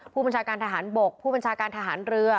ผู้บัญชาการทหารบกผู้บัญชาการทหารเรือ